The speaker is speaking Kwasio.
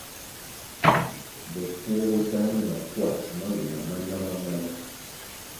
Bopfuo bo tahre na kwā mawula ma na ma mana.